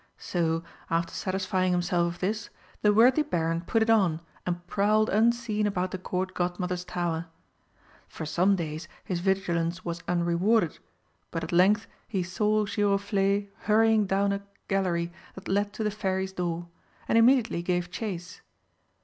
So, after satisfying himself of this, the worthy Baron put it on and prowled unseen about the Court Godmother's tower. For some days his vigilance was unrewarded, but at length he saw Giroflé hurrying down a gallery that led to the Fairy's door, and immediately gave chase.